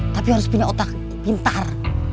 tapi harus punya otak pintar